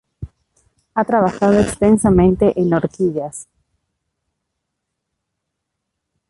Ha trabajado extensamente en orquídeas.